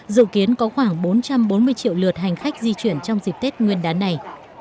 dự kiến có khoảng bốn trăm bốn mươi triệu lượt hành khách di chuyển trong dịp tết nguyên đán này